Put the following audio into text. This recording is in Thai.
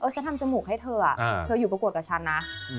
ฉันทำจมูกให้เธอเธออยู่ประกวดกับฉันนะ